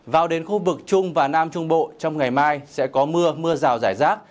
vào đến khu vực trung và nam trung bộ trong ngày mai sẽ có mưa mưa rào rải rác